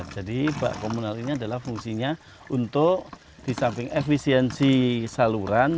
jadi bak komunal ini adalah fungsinya untuk disamping efisiensi saluran